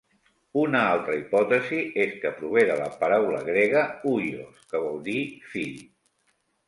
Una altra hipòtesi és que prové de la paraula grega "huios", que vol dir "fill".